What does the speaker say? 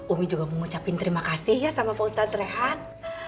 umi juga mau ngucapin terima kasih ya sama pak ustadz rehan